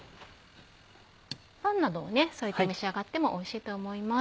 パンなどを添えて召し上がってもおいしいと思います。